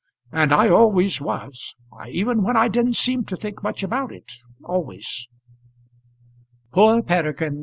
And I always was, even when I didn't seem to think much about it; always." Poor Peregrine!